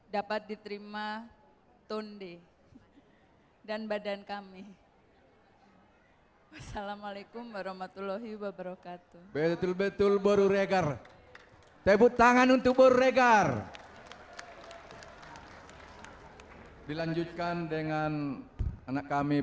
dapat diterima tunde dan badan kami